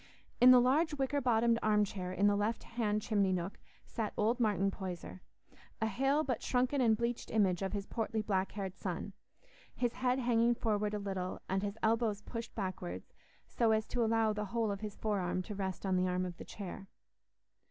In the large wicker bottomed arm chair in the left hand chimney nook sat old Martin Poyser, a hale but shrunken and bleached image of his portly black haired son—his head hanging forward a little, and his elbows pushed backwards so as to allow the whole of his forearm to rest on the arm of the chair.